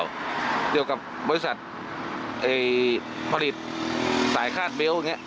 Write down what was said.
เดีียวกับบลิศัทธิ์ผลิตสายฆาตเบลดบาทอย่างนี้